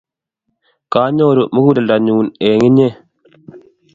Kanyoru muguleldonyu eng inye